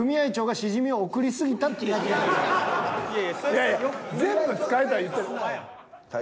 いやいや全部使えとは言ってない。